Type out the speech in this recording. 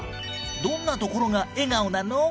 どんなところが笑顔なの？